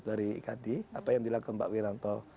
dari ikd apa yang dilakukan pak wiranto